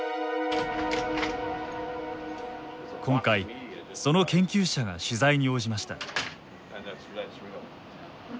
今回その研究者が取材に応じました。